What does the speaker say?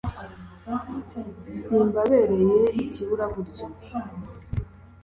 simbabereye ikiburaburyo